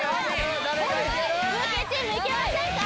ルーキーチームいけませんか？